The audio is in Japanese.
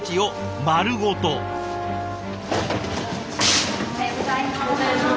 おはようございます。